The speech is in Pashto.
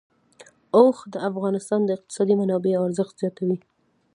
اوښ د افغانستان د اقتصادي منابعو ارزښت زیاتوي.